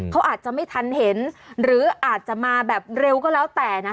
เขาอาจจะไม่ทันเห็นหรืออาจจะมาแบบเร็วก็แล้วแต่นะ